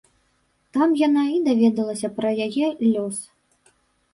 Там яна і даведалася пра яе лёс.